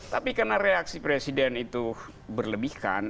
tapi karena reaksi presiden itu berlebihkan